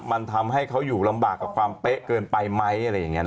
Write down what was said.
มันทำให้เขาอยู่ลำบากกับความเป๊ะเกินไปไหม